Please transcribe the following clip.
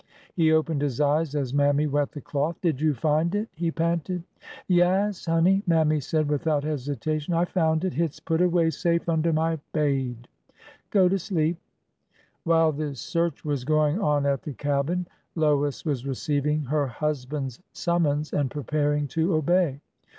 He opened his eyes as Mammy wet the cloth. Did you find it? '' he panted. '' Yaas, honey,'^ Mammy said, without hesitation ; I found it. Hit's put away safe under my baid. Go to sleep." While this search was going on at the cabin, Lois was receiving her husband's summons and preparing to obey.